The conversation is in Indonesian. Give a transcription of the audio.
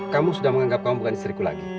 kamu sudah menganggap kamu bukan istriku lagi